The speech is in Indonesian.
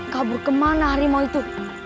kabur kemana harimau itu